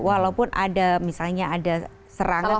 walaupun ada misalnya ada serangan